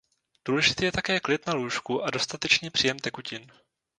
Důležitý je také klid na lůžku a dostatečný příjem tekutin.